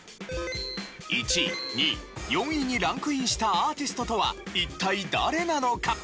１位２位４位にランクインしたアーティストとは一体誰なのか？